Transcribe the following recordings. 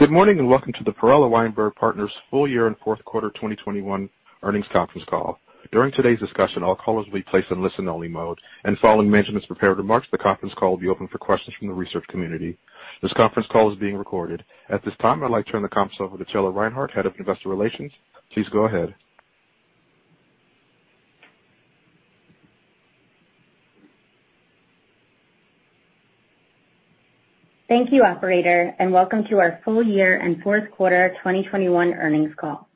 Good morning, and welcome to the Perella Weinberg Partners' full year and fourth quarter 2021 earnings conference call. During today's discussion, all callers will be placed in listen-only mode. Following management's prepared remarks, the conference call will be open for questions from the research community. This conference call is being recorded. At this time, I'd like to turn the conference over to Taylor Reinhardt, Head of Investor Relations. Please go ahead. Thank you, operator, and welcome to our full year and fourth quarter 2021 earnings call.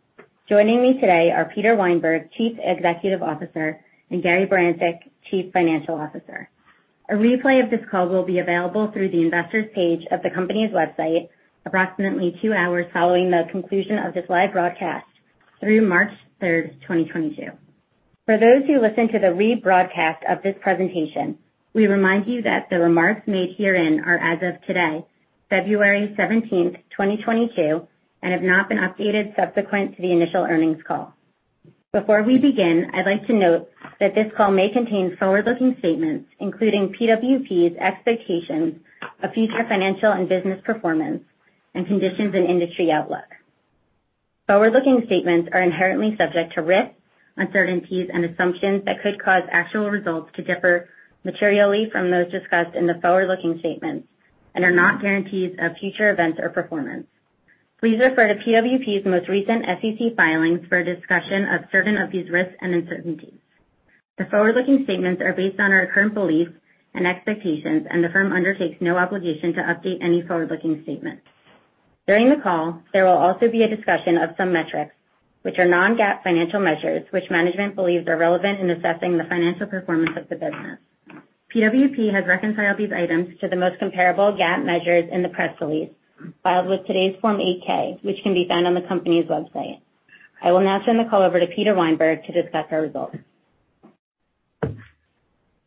Joining me today are Peter Weinberg, Chief Executive Officer, and Gary Barancik, Chief Financial Officer. A replay of this call will be available through the Investors page of the company's website approximately two hours following the conclusion of this live broadcast through March 3, 2022. For those who listen to the rebroadcast of this presentation, we remind you that the remarks made herein are as of today, February 17, 2022, and have not been updated subsequent to the initial earnings call. Before we begin, I'd like to note that this call may contain forward-looking statements, including PWP's expectations of future financial and business performance and conditions and industry outlook. Forward-looking statements are inherently subject to risks, uncertainties, and assumptions that could cause actual results to differ materially from those discussed in the forward-looking statements and are not guarantees of future events or performance. Please refer to PWP's most recent SEC filings for a discussion of certain of these risks and uncertainties. The forward-looking statements are based on our current beliefs and expectations, and the firm undertakes no obligation to update any forward-looking statement. During the call, there will also be a discussion of some metrics, which are non-GAAP financial measures, which management believes are relevant in assessing the financial performance of the business. PWP has reconciled these items to the most comparable GAAP measures in the press release filed with today's Form 8-K, which can be found on the company's website. I will now turn the call over to Peter Weinberg to discuss our results.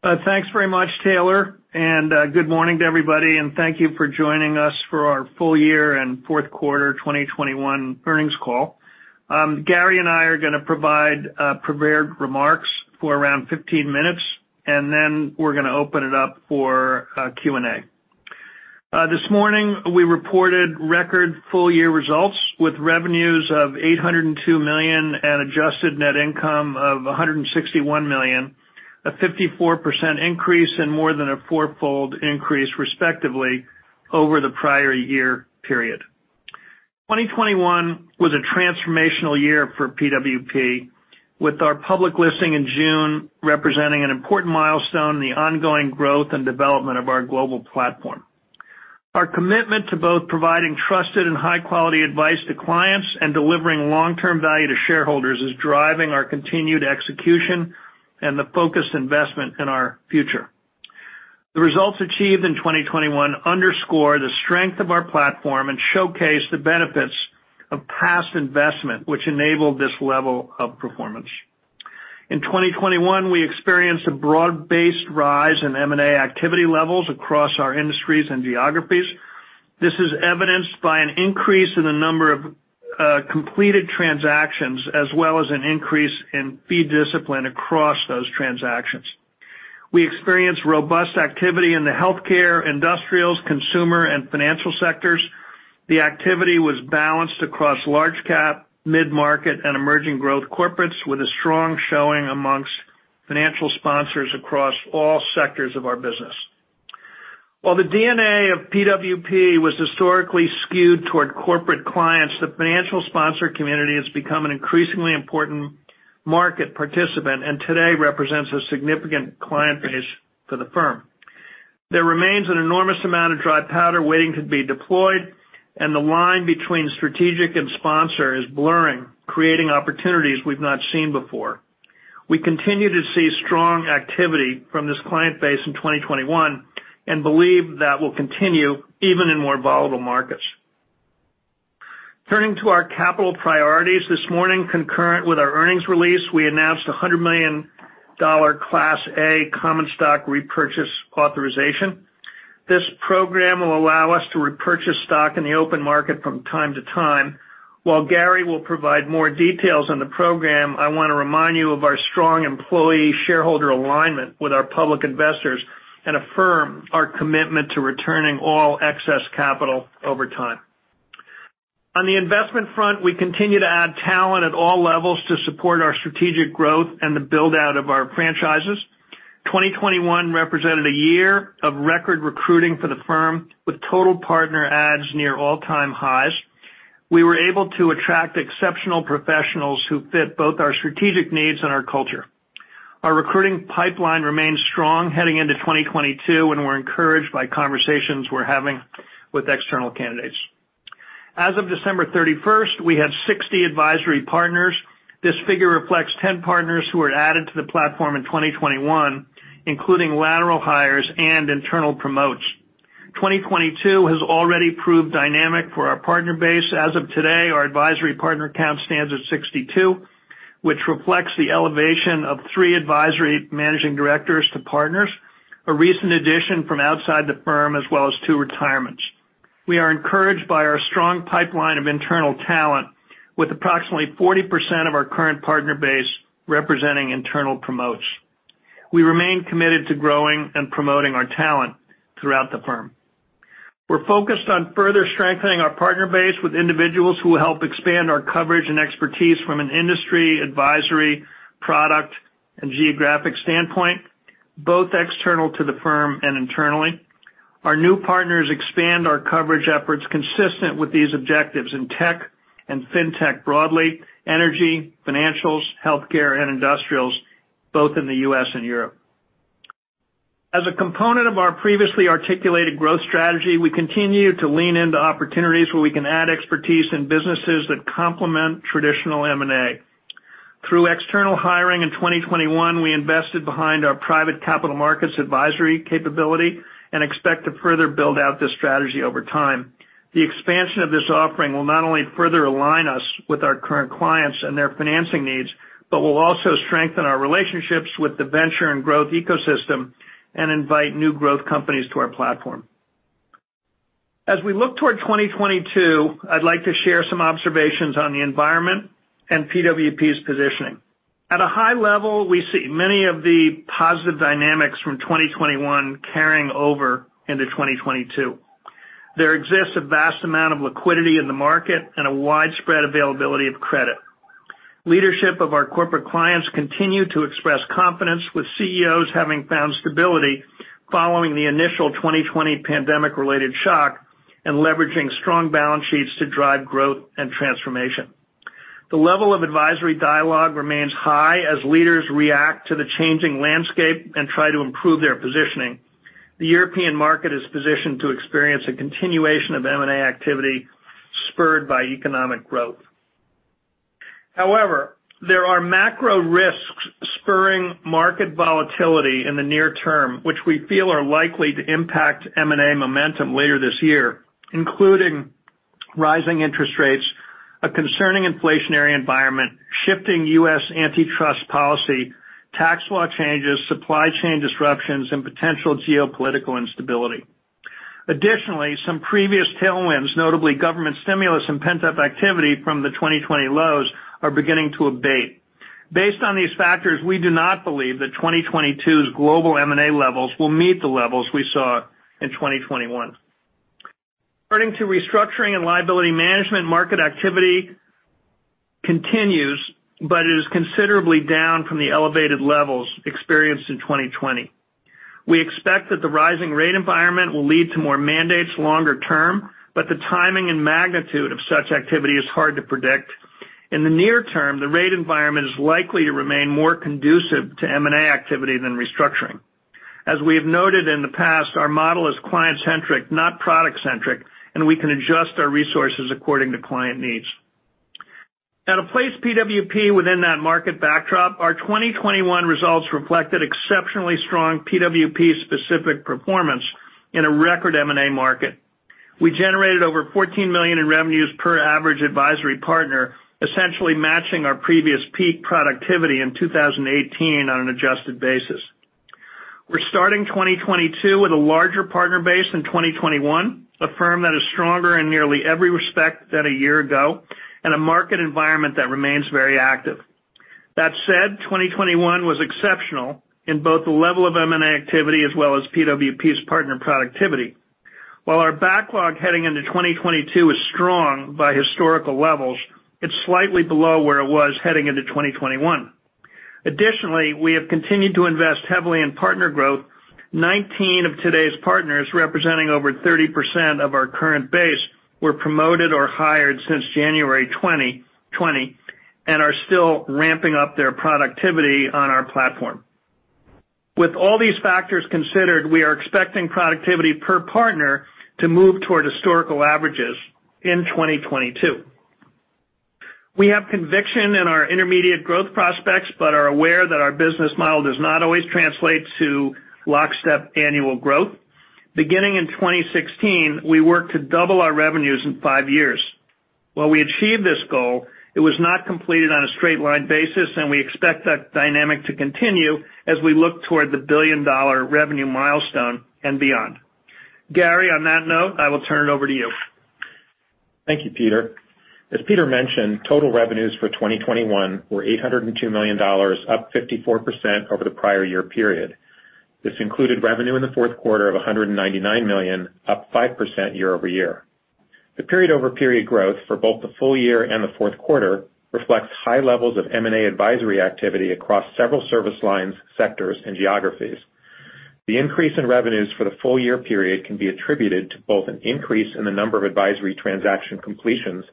Thanks very much, Taylor, and good morning to everybody. Thank you for joining us for our full year and fourth quarter 2021 earnings call. Gary and I are gonna provide prepared remarks for around 15 minutes, and then we're gonna open it up for Q&A. This morning, we reported record full year results with revenues of $802 million and adjusted net income of $161 million, a 54% increase and more than a fourfold increase, respectively, over the prior year period. 2021 was a transformational year for PWP, with our public listing in June representing an important milestone in the ongoing growth and development of our global platform. Our commitment to both providing trusted and high-quality advice to clients and delivering long-term value to shareholders is driving our continued execution and the focused investment in our future. The results achieved in 2021 underscore the strength of our platform and showcase the benefits of past investment, which enabled this level of performance. In 2021, we experienced a broad-based rise in M&A activity levels across our industries and geographies. This is evidenced by an increase in the number of completed transactions as well as an increase in fee discipline across those transactions. We experienced robust activity in the healthcare, industrials, consumer, and financial sectors. The activity was balanced across large cap, mid-market, and emerging growth corporates with a strong showing amongst financial sponsors across all sectors of our business. While the DNA of PWP was historically skewed toward corporate clients, the financial sponsor community has become an increasingly important market participant and today represents a significant client base for the firm. There remains an enormous amount of dry powder waiting to be deployed, and the line between strategic and sponsor is blurring, creating opportunities we've not seen before. We continue to see strong activity from this client base in 2021 and believe that will continue even in more volatile markets. Turning to our capital priorities, this morning, concurrent with our earnings release, we announced $100 million Class A common stock repurchase authorization. This program will allow us to repurchase stock in the open market from time to time. While Gary will provide more details on the program, I wanna remind you of our strong employee shareholder alignment with our public investors and affirm our commitment to returning all excess capital over time. On the investment front, we continue to add talent at all levels to support our strategic growth and the build-out of our franchises. 2021 represented a year of record recruiting for the firm with total partner adds near all-time highs. We were able to attract exceptional professionals who fit both our strategic needs and our culture. Our recruiting pipeline remains strong heading into 2022, and we're encouraged by conversations we're having with external candidates. As of December 31, we had 60 advisory partners. This figure reflects 10 partners who were added to the platform in 2021, including lateral hires and internal promotes. 2022 has already proved dynamic for our partner base. As of today, our advisory partner count stands at 62, which reflects the elevation of three advisory managing directors to partners, a recent addition from outside the firm, as well as two retirements. We are encouraged by our strong pipeline of internal talent with approximately 40% of our current partner base representing internal promotes. We remain committed to growing and promoting our talent throughout the firm. We're focused on further strengthening our partner base with individuals who will help expand our coverage and expertise from an industry, advisory, product, and geographic standpoint, both external to the firm and internally. Our new partners expand our coverage efforts consistent with these objectives in tech and fintech broadly, energy, financials, healthcare, and industrials, both in the U.S. and Europe. As a component of our previously articulated growth strategy, we continue to lean into opportunities where we can add expertise in businesses that complement traditional M&A. Through external hiring in 2021, we invested behind our private capital markets advisory capability and expect to further build out this strategy over time. The expansion of this offering will not only further align us with our current clients and their financing needs, but will also strengthen our relationships with the venture and growth ecosystem and invite new growth companies to our platform. As we look toward 2022, I'd like to share some observations on the environment and PWP's positioning. At a high level, we see many of the positive dynamics from 2021 carrying over into 2022. There exists a vast amount of liquidity in the market and a widespread availability of credit. Leadership of our corporate clients continue to express confidence with CEOs having found stability following the initial 2020 pandemic-related shock and leveraging strong balance sheets to drive growth and transformation. The level of advisory dialogue remains high as leaders react to the changing landscape and try to improve their positioning. The European market is positioned to experience a continuation of M&A activity spurred by economic growth. However, there are macro risks spurring market volatility in the near term, which we feel are likely to impact M&A momentum later this year, including rising interest rates, a concerning inflationary environment, shifting U.S. antitrust policy, tax law changes, supply chain disruptions, and potential geopolitical instability. Additionally, some previous tailwinds, notably government stimulus and pent-up activity from the 2020 lows, are beginning to abate. Based on these factors, we do not believe that 2022's global M&A levels will meet the levels we saw in 2021. Turning to restructuring and liability management, market activity continues, but it is considerably down from the elevated levels experienced in 2020. We expect that the rising rate environment will lead to more mandates longer term, but the timing and magnitude of such activity is hard to predict. In the near term, the rate environment is likely to remain more conducive to M&A activity than restructuring. As we have noted in the past, our model is client-centric, not product-centric, and we can adjust our resources according to client needs. Now to place PWP within that market backdrop, our 2021 results reflected exceptionally strong PWP-specific performance in a record M&A market. We generated over $14 million in revenues per average advisory partner, essentially matching our previous peak productivity in 2018 on an adjusted basis. We're starting 2022 with a larger partner base than 2021, a firm that is stronger in nearly every respect than a year ago, and a market environment that remains very active. That said, 2021 was exceptional in both the level of M&A activity as well as PWP's partner productivity. While our backlog heading into 2022 is strong by historical levels, it's slightly below where it was heading into 2021. Additionally, we have continued to invest heavily in partner growth. 19 of today's partners, representing over 30% of our current base, were promoted or hired since January 2020 and are still ramping up their productivity on our platform. With all these factors considered, we are expecting productivity per partner to move toward historical averages in 2022. We have conviction in our intermediate growth prospects but are aware that our business model does not always translate to lockstep annual growth. Beginning in 2016, we worked to double our revenues in five years. While we achieved this goal, it was not completed on a straight-line basis, and we expect that dynamic to continue as we look toward the billion-dollar revenue milestone and beyond. Gary, on that note, I will turn it over to you. Thank you, Peter. As Peter mentioned, total revenues for 2021 were $802 million, up 54% over the prior year period. This included revenue in the fourth quarter of $199 million, up 5% year-over-year. The period-over-period growth for both the full year and the fourth quarter reflects high levels of M&A advisory activity across several service lines, sectors, and geographies. The increase in revenues for the full year period can be attributed to both an increase in the number of advisory transaction completions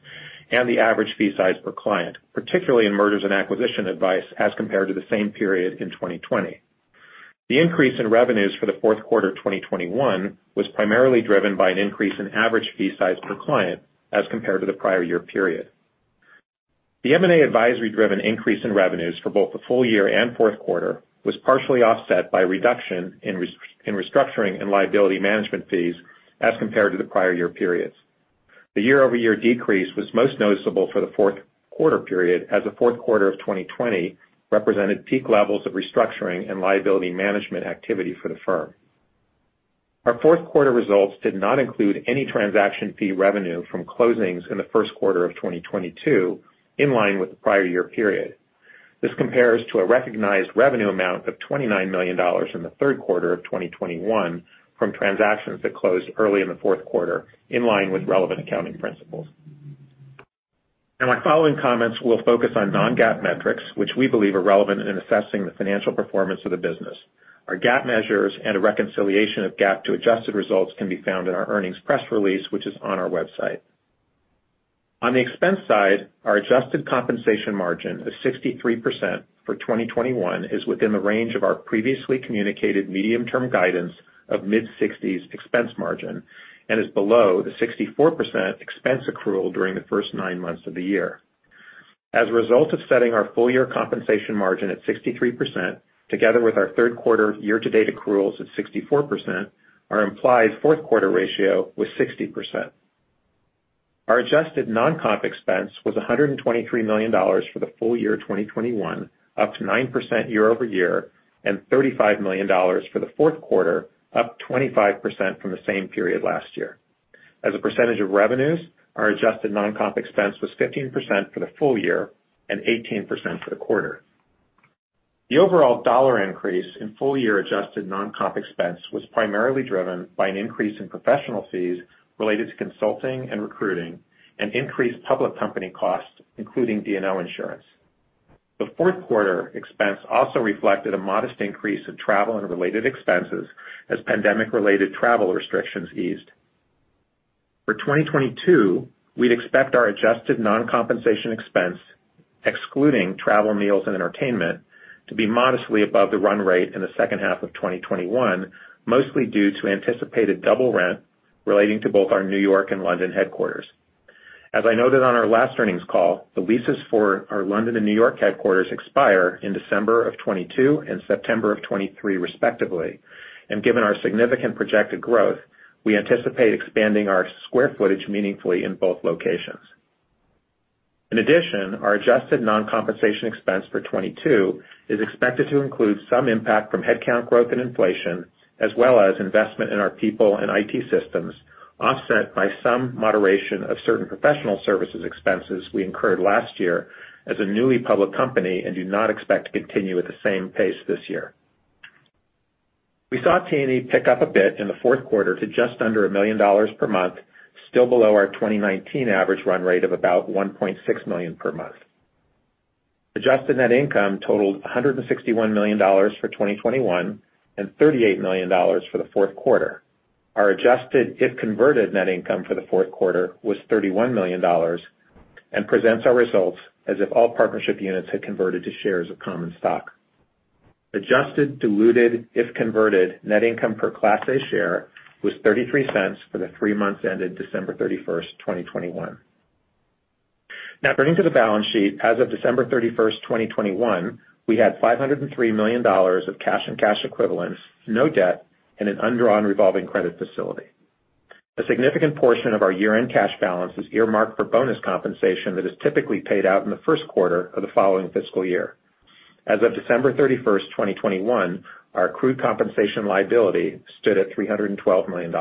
and the average fee size per client, particularly in mergers and acquisitions advice as compared to the same period in 2020. The increase in revenues for the fourth quarter of 2021 was primarily driven by an increase in average fee size per client as compared to the prior year period. The M&A advisory-driven increase in revenues for both the full year and fourth quarter was partially offset by a reduction in restructuring and liability management fees as compared to the prior year periods. The year-over-year decrease was most noticeable for the fourth quarter period, as the fourth quarter of 2020 represented peak levels of restructuring and liability management activity for the firm. Our fourth quarter results did not include any transaction fee revenue from closings in the first quarter of 2022, in line with the prior year period. This compares to a recognized revenue amount of $29 million in the third quarter of 2021 from transactions that closed early in the fourth quarter, in line with relevant accounting principles. Now my following comments will focus on non-GAAP metrics, which we believe are relevant in assessing the financial performance of the business. Our GAAP measures and a reconciliation of GAAP to adjusted results can be found in our earnings press release, which is on our website. On the expense side, our adjusted compensation margin of 63% for 2021 is within the range of our previously communicated medium-term guidance of mid-60s expense margin and is below the 64% expense accrual during the first nine months of the year. As a result of setting our full year compensation margin at 63% together with our third quarter year-to-date accruals at 64%, our implied fourth quarter ratio was 60%. Our adjusted non-comp expense was $123 million for the full year 2021, up 9% year-over-year, and $35 million for the fourth quarter, up 25% from the same period last year. As a percentage of revenues, our adjusted non-comp expense was 15% for the full year and 18% for the quarter. The overall dollar increase in full year adjusted non-comp expense was primarily driven by an increase in professional fees related to consulting and recruiting and increased public company costs, including D&O insurance. The fourth quarter expense also reflected a modest increase in travel and related expenses as pandemic-related travel restrictions eased. For 2022, we'd expect our adjusted non-compensation expense, excluding travel, meals, and entertainment, to be modestly above the run rate in the second half of 2021, mostly due to anticipated double rent relating to both our New York and London headquarters. As I noted on our last earnings call, the leases for our London and New York headquarters expire in December 2022 and September 2023 respectively, and given our significant projected growth, we anticipate expanding our square footage meaningfully in both locations. In addition, our adjusted non-compensation expense for 2022 is expected to include some impact from headcount growth and inflation as well as investment in our people and IT systems, offset by some moderation of certain professional services expenses we incurred last year as a newly public company and do not expect to continue at the same pace this year. We saw T&E pick up a bit in the fourth quarter to just under $1 million per month, still below our 2019 average run rate of about $1.6 million per month. Adjusted net income totaled $161 million for 2021 and $38 million for the fourth quarter. Our adjusted if converted net income for the fourth quarter was $31 million and presents our results as if all partnership units had converted to shares of common stock. Adjusted, diluted, if converted, net income per Class A share was $0.33 for the three months ended December 31, 2021. Now turning to the balance sheet, as of December 31, 2021, we had $503 million of cash and cash equivalents, no debt, and an undrawn revolving credit facility. A significant portion of our year-end cash balance is earmarked for bonus compensation that is typically paid out in the first quarter of the following fiscal year. As of December 31, 2021, our accrued compensation liability stood at $312 million.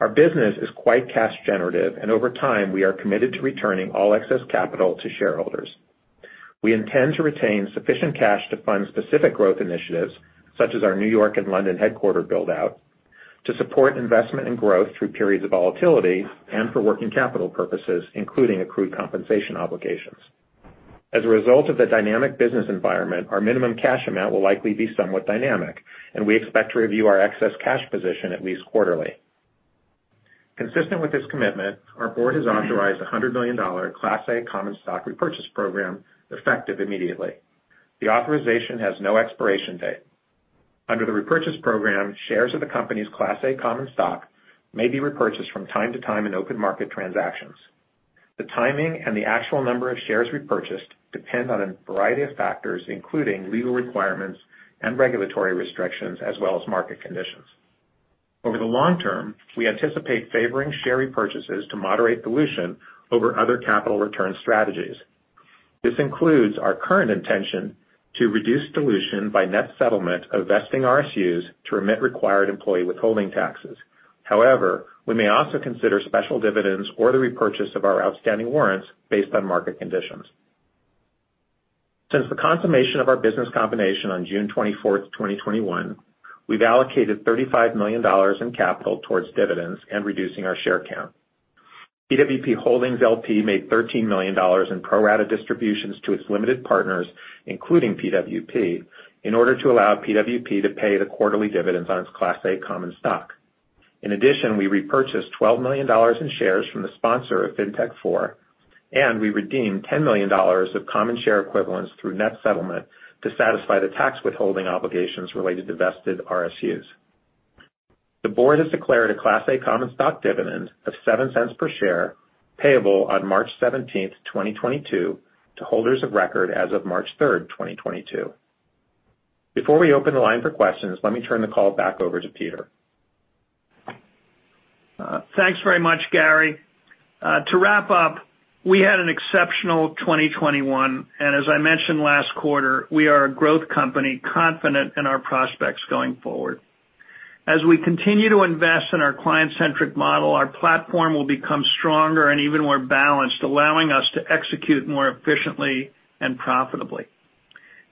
Our business is quite cash generative, and over time, we are committed to returning all excess capital to shareholders. We intend to retain sufficient cash to fund specific growth initiatives, such as our New York and London headquarter build-out, to support investment and growth through periods of volatility and for working capital purposes, including accrued compensation obligations. As a result of the dynamic business environment, our minimum cash amount will likely be somewhat dynamic, and we expect to review our excess cash position at least quarterly. Consistent with this commitment, our board has authorized a $100 million Class A common stock repurchase program effective immediately. The authorization has no expiration date. Under the repurchase program, shares of the company's Class A common stock may be repurchased from time to time in open market transactions. The timing and the actual number of shares repurchased depend on a variety of factors, including legal requirements and regulatory restrictions as well as market conditions. Over the long term, we anticipate favoring share repurchases to moderate dilution over other capital return strategies. This includes our current intention to reduce dilution by net settlement of vesting RSUs to remit required employee withholding taxes. However, we may also consider special dividends or the repurchase of our outstanding warrants based on market conditions. Since the consummation of our business combination on June 24, 2021, we've allocated $35 million in capital towards dividends and reducing our share count. PWP Holdings LP made $13 million in pro rata distributions to its limited partners, including PWP, in order to allow PWP to pay the quarterly dividends on its Class A common stock. In addition, we repurchased $12 million in shares from the sponsor of FinTech IV, and we redeemed $10 million of common share equivalents through net settlement to satisfy the tax withholding obligations related to vested RSUs. The board has declared a Class A common stock dividend of $0.07 per share payable on March 17, 2022, to holders of record as of March 3, 2022. Before we open the line for questions, let me turn the call back over to Peter. Thanks very much, Gary. To wrap up, we had an exceptional 2021, and as I mentioned last quarter, we are a growth company confident in our prospects going forward. As we continue to invest in our client-centric model, our platform will become stronger and even more balanced, allowing us to execute more efficiently and profitably.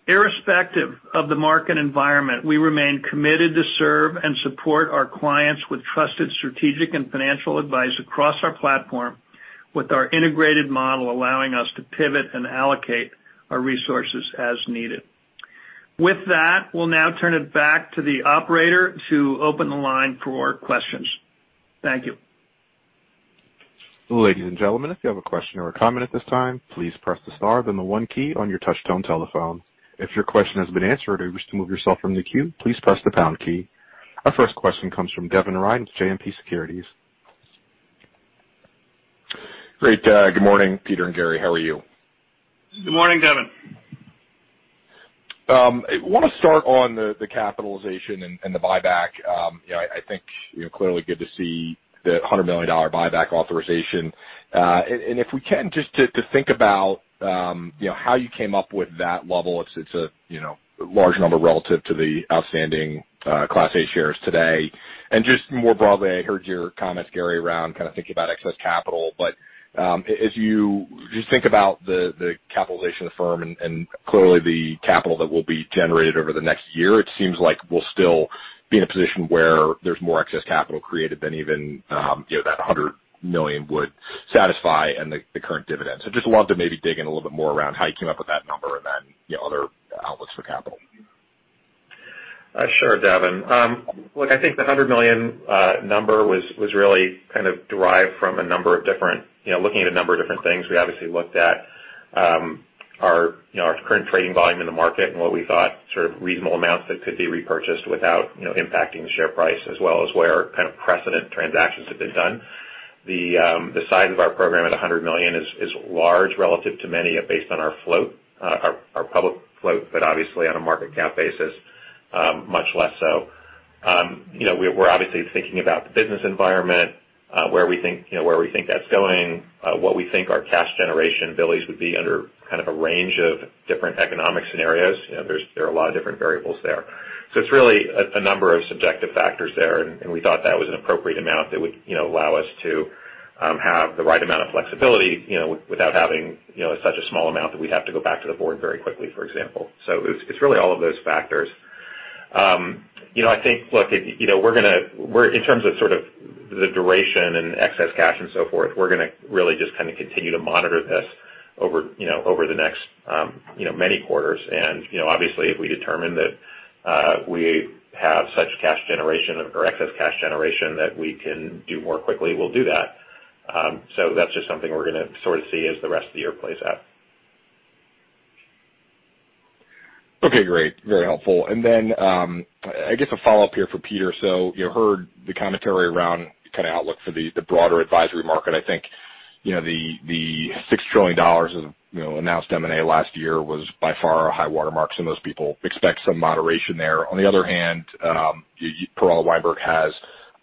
Irrespective of the market environment, we remain committed to serve and support our clients with trusted strategic and financial advice across our platform with our integrated model, allowing us to pivot and allocate our resources as needed. With that, we'll now turn it back to the operator to open the line for questions. Thank you. Ladies and gentlemen, if you have a question or a comment at this time, please press the star, then the one key on your touch-tone telephone. If your question has been answered or you wish to move yourself from the queue, please press the pound key. Our first question comes from Devin Ryan with JMP Securities. Great. Good morning, Peter and Gary. How are you? Good morning, Devin. I wanna start on the capitalization and the buyback. You know, I think, you know, clearly good to see the $100 million buyback authorization. And if we can, just to think about, you know, how you came up with that level. It's a, you know, large number relative to the outstanding Class A shares today. Just more broadly, I heard your comments, Gary, around kind of thinking about excess capital. But as you just think about the capitalization of the firm and clearly the capital that will be generated over the next year, it seems like we'll still be in a position where there's more excess capital created than even, you know, that $100 million would satisfy and the current dividend. Just wanted to maybe dig in a little bit more around how you came up with that number and then, you know, other outlooks for capital. Sure, Devin. Look, I think the $100 million number was really kind of derived from a number of different, you know, looking at a number of different things. We obviously looked at our, you know, our current trading volume in the market and what we thought sort of reasonable amounts that could be repurchased without, you know, impacting the share price as well as where kind of precedent transactions have been done. The size of our program at a $100 million is large relative to many based on our float, our public float, but obviously on a market cap basis, much less so. You know, we're obviously thinking about the business environment, where we think that's going, what we think our cash generation abilities would be under kind of a range of different economic scenarios. You know, there are a lot of different variables there. It's really a number of subjective factors there, and we thought that was an appropriate amount that would, you know, allow us to have the right amount of flexibility, you know, without having, you know, such a small amount that we'd have to go back to the board very quickly, for example. It's really all of those factors. You know, I think, look, you know, in terms of sort of the duration and excess cash and so forth, we're gonna really just kinda continue to monitor this over, you know, over the next, you know, many quarters. You know, obviously, if we determine that we have such cash generation or excess cash generation that we can do more quickly, we'll do that. That's just something we're gonna sort of see as the rest of the year plays out. Okay, great. Very helpful. I guess a follow-up here for Peter. You heard the commentary around kinda outlook for the broader advisory market. I think, you know, the $6 trillion of, you know, announced M&A last year was by far a high watermark, so most people expect some moderation there. On the other hand, Perella Weinberg has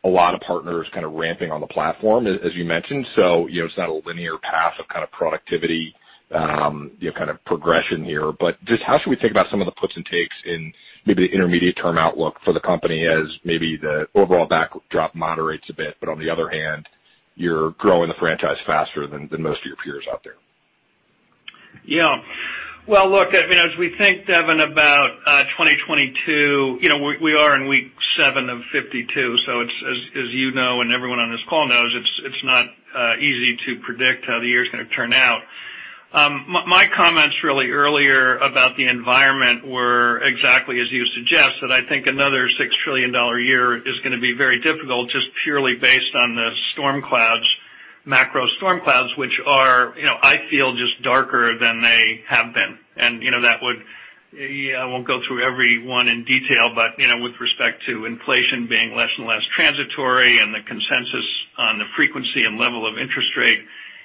a lot of partners kind of ramping on the platform, as you mentioned. You know, it's not a linear path of kind of productivity, you know, kind of progression here. Just how should we think about some of the puts and takes in maybe the intermediate-term outlook for the company as maybe the overall backdrop moderates a bit, but on the other hand, you're growing the franchise faster than most of your peers out there? Yeah. Well, look, I mean, as we think, Devin, about 2022, you know, we are in week seven of 52, so it's as you know, and everyone on this call knows, it's not easy to predict how the year's gonna turn out. My comments really earlier about the environment were exactly as you suggest, that I think another $6 trillion year is gonna be very difficult just purely based on the storm clouds, macro storm clouds, which are, you know, I feel just darker than they have been. You know, that would. I won't go through every one in detail, but you know, with respect to inflation being less and less transitory and the consensus on the frequency and level of interest rate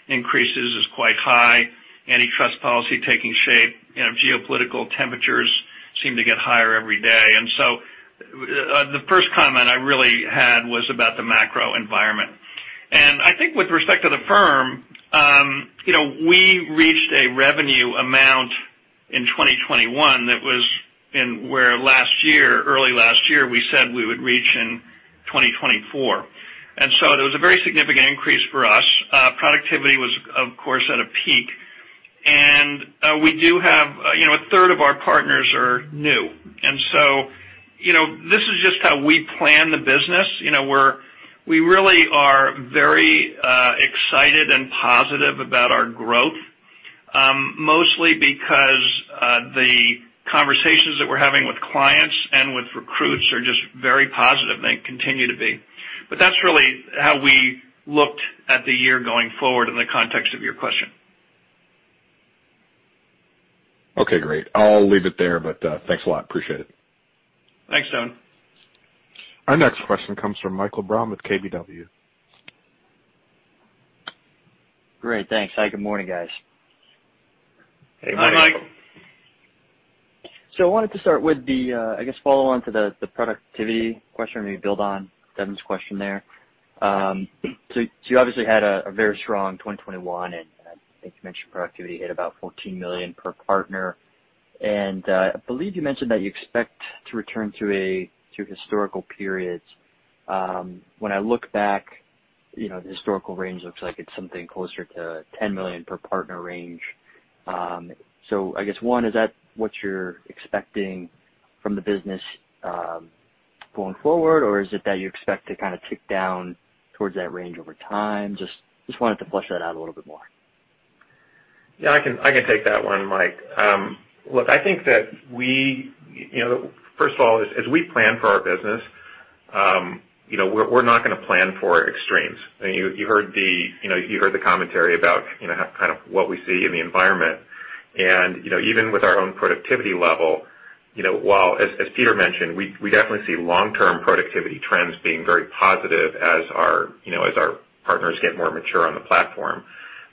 increases is quite high. Antitrust policy taking shape. You know, geopolitical temperatures seem to get higher every day. The first comment I really had was about the macro environment. I think with respect to the firm, you know, we reached a revenue amount in 2021 that was one where last year, early last year, we said we would reach in 2024. It was a very significant increase for us. Productivity was, of course, at a peak. We do have, you know, a third of our partners are new. You know, this is just how we plan the business. You know, we really are very excited and positive about our growth, mostly because the conversations that we're having with clients and with recruits are just very positive and continue to be. That's really how we looked at the year going forward in the context of your question. Okay, great. I'll leave it there, but thanks a lot. Appreciate it. Thanks, Devin. Our next question comes from Michael Brown with KBW. Great. Thanks. Hi, good morning, guys. Hey, Mike. I wanted to start with the, I guess, follow on to the productivity question, maybe build on Devin's question there. You obviously had a very strong 2021, and I think you mentioned productivity hit about $14 million per partner. I believe you mentioned that you expect to return to historical periods. When I look back, you know, the historical range looks like it's something closer to $10 million per partner range. I guess, one, is that what you're expecting from the business, going forward or is it that you expect to kinda tick down towards that range over time? Just wanted to flesh that out a little bit more. Yeah, I can take that one, Mike. Look, I think that we, you know, first of all, we plan for our business, you know, we're not gonna plan for extremes. You heard the commentary about, you know, how kind of what we see in the environment. You know, even with our own productivity level, you know, while Peter mentioned, we definitely see long-term productivity trends being very positive as our partners get more mature on the platform.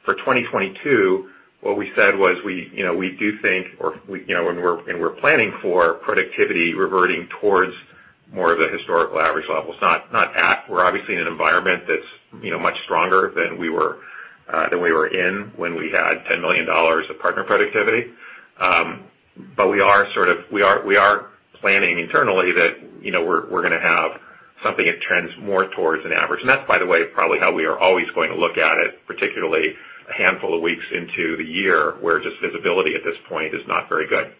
For 2022, what we said was we, you know, we do think, and we're planning for productivity reverting towards more of the historical average levels, not at. We're obviously in an environment that's, you know, much stronger than we were in when we had $10 million of partner productivity. But we are sort of planning internally that, you know, we're gonna have something that trends more towards an average. That's, by the way, probably how we are always going to look at it, particularly a handful of weeks into the year, where just visibility at this point is not very good.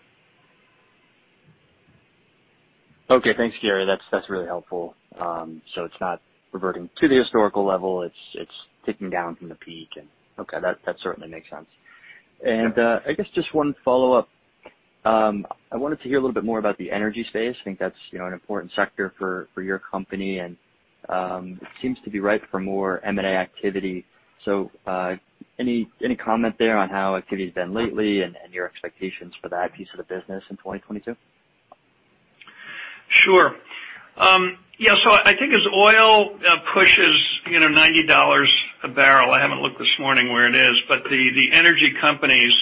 Okay, thanks, Gary. That's really helpful. So it's not reverting to the historical level, it's ticking down from the peak and okay, that certainly makes sense. I guess just one follow-up. I wanted to hear a little bit more about the energy space. I think that's, you know, an important sector for your company, and it seems to be ripe for more M&A activity. Any comment there on how activity's been lately and your expectations for that piece of the business in 2022? Sure. Yeah, so I think as oil pushes, you know, $90 a barrel, I haven't looked this morning where it is, but the energy companies,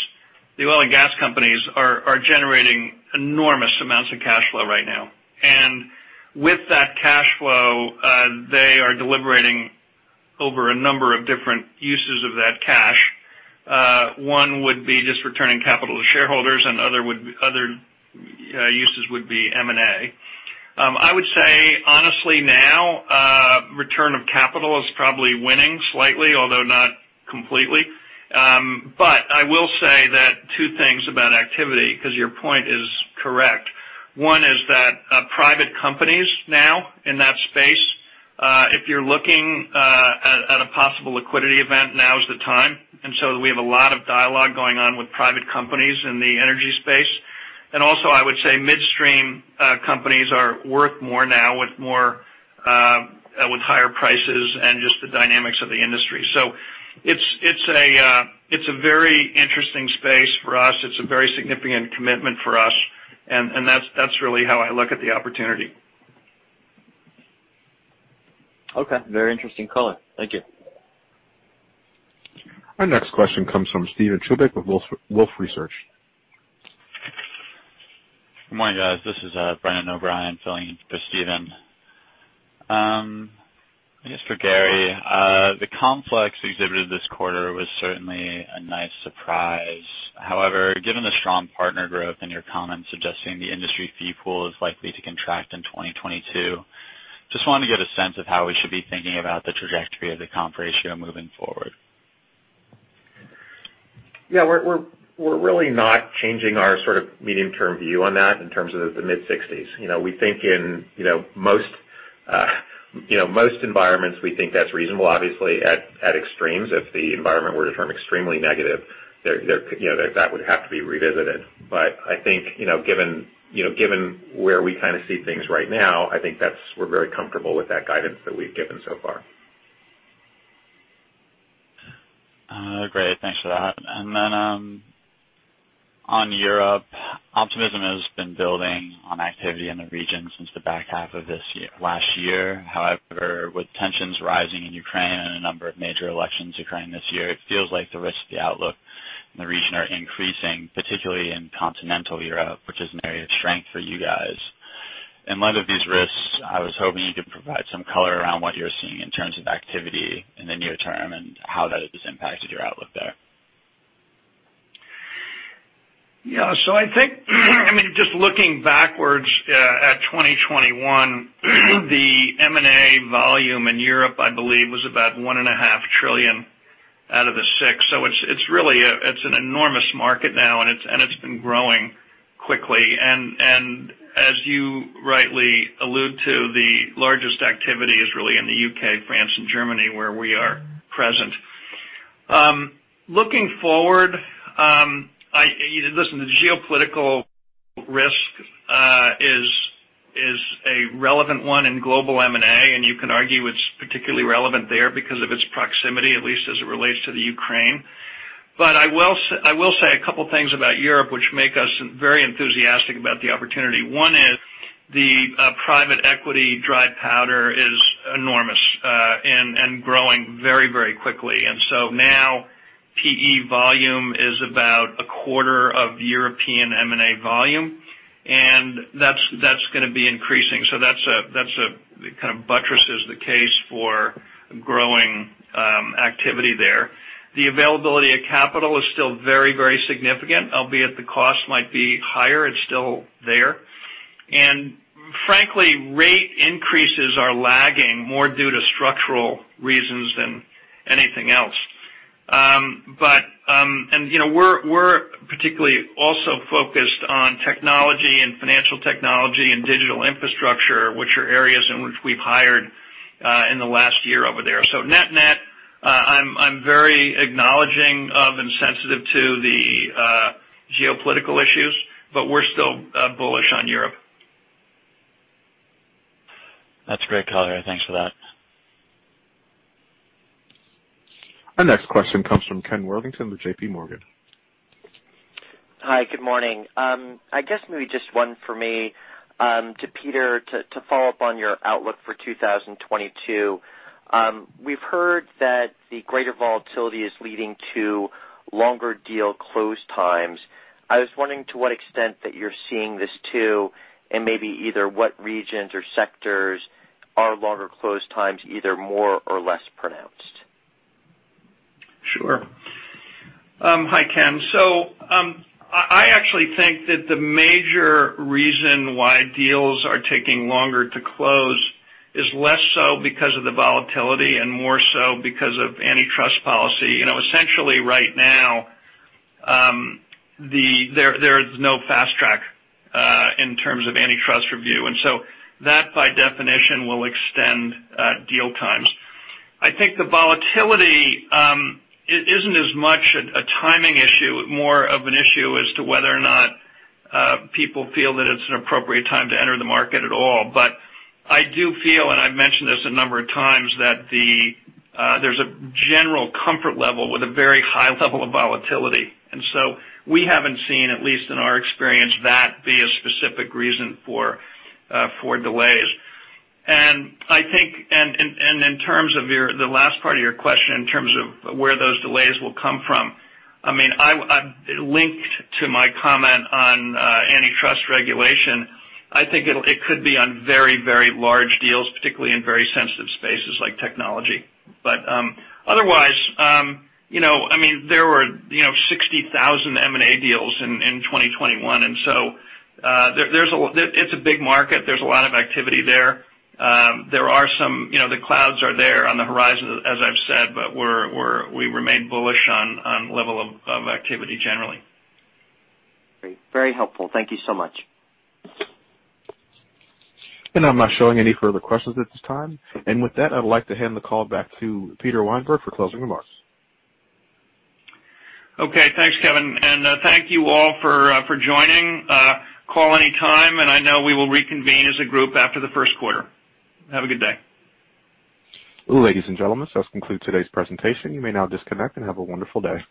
the oil and gas companies are generating enormous amounts of cash flow right now. With that cash flow, they are deliberating over a number of different uses of that cash. One would be just returning capital to shareholders and other uses would be M&A. I would say, honestly now, return of capital is probably winning slightly, although not completely. But I will say that two things about activity, 'cause your point is correct. One is that private companies now in that space, if you're looking at a possible liquidity event, now is the time. We have a lot of dialogue going on with private companies in the energy space. I would say midstream companies are worth more now with higher prices and just the dynamics of the industry. It's a very interesting space for us. It's a very significant commitment for us. That's really how I look at the opportunity. Okay. Very interesting color. Thank you. Our next question comes from Steven Chubak with Wolfe Research. Good morning, guys. This is Brendan O'Brien filling in for Steven. I guess for Gary. The comp flex exhibited this quarter was certainly a nice surprise. However, given the strong partner growth and your comments suggesting the industry fee pool is likely to contract in 2022, just wanted to get a sense of how we should be thinking about the trajectory of the comp ratio moving forward. Yeah. We're really not changing our sort of medium-term view on that in terms of the mid-60s. You know, we think in, you know, most, you know, most environments, we think that's reasonable. Obviously, at extremes, if the environment were to turn extremely negative, there, you know, that would have to be revisited. But I think, you know, given, you know, given where we kinda see things right now, I think that's. We're very comfortable with that guidance that we've given so far. Great. Thanks for that. Then, on Europe, optimism has been building on activity in the region since the back half of last year. However, with tensions rising in Ukraine and a number of major elections occurring this year, it feels like the risks of the outlook in the region are increasing, particularly in continental Europe, which is an area of strength for you guys. In light of these risks, I was hoping you could provide some color around what you're seeing in terms of activity in the near term and how that has impacted your outlook there. I think I mean, just looking backwards, at 2021 the M&A volume in Europe, I believe was about $1.5 trillion out of the $6. It's really an enormous market now, and it's been growing quickly. As you rightly allude to, the largest activity is really in the U.K., France and Germany, where we are present. Looking forward, listen, the geopolitical risk is a relevant one in global M&A, and you can argue it's particularly relevant there because of its proximity, at least as it relates to the Ukraine. I will say a couple things about Europe which make us very enthusiastic about the opportunity. One is the private equity dry powder is enormous, and growing very, very quickly. Now PE volume is about a quarter of European M&A volume, and that's gonna be increasing. That kind of buttresses the case for growing activity there. The availability of capital is still very significant, albeit the cost might be higher, it's still there. Frankly, rate increases are lagging more due to structural reasons than anything else. You know, we're particularly also focused on technology and financial technology and digital infrastructure, which are areas in which we've hired in the last year over there. Net-net, I'm very acknowledging of and sensitive to the geopolitical issues, but we're still bullish on Europe. That's great, Garry. Thanks for that. Our next question comes from Ken Worthington with JPMorgan. Hi, good morning. I guess maybe just one for me to Peter to follow up on your outlook for 2022. We've heard that the greater volatility is leading to longer deal close times. I was wondering to what extent that you're seeing this too, and maybe either what regions or sectors are longer close times either more or less pronounced. Sure. Hi, Ken. I actually think that the major reason why deals are taking longer to close is less so because of the volatility and more so because of antitrust policy. You know, essentially right now, there is no fast track in terms of antitrust review. That by definition will extend deal times. I think the volatility, it isn't as much a timing issue, more of an issue as to whether or not people feel that it's an appropriate time to enter the market at all. I do feel, and I've mentioned this a number of times, that there's a general comfort level with a very high level of volatility. We haven't seen, at least in our experience, that be a specific reason for delays. I think. In terms of the last part of your question, in terms of where those delays will come from, I mean, linked to my comment on antitrust regulation, I think it could be on very, very large deals, particularly in very sensitive spaces like technology. Otherwise, you know, I mean, there were 60,000 M&A deals in 2021. There is a big market. There is a lot of activity there. There are some. You know, the clouds are there on the horizon, as I've said, but we remain bullish on level of activity generally. Great. Very helpful. Thank you so much. I'm not showing any further questions at this time. With that, I would like to hand the call back to Peter Weinberg for closing remarks. Okay, thanks, Kevin. Thank you all for joining. Call anytime, and I know we will reconvene as a group after the first quarter. Have a good day. Ladies and gentlemen, this does conclude today's presentation. You may now disconnect and have a wonderful day.